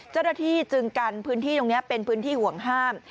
เจ้าหน้าที่จึงกันพื้นที่ตรงนี้เป็นพื้นที่ห่วงห้าม